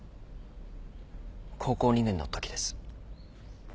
高校２年のときです。